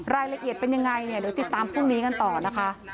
รายละเอียดเป็นยังไงเนี่ยเดี๋ยวติดตามพรุ่งนี้กันต่อนะคะ